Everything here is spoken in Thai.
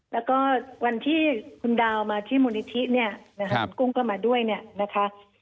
แล้วก็วันที่คุณดาวมาที่มูลนิธิเนี่ยนะครับคุณกุ้งก็มาด้วยเนี่ยนะคะ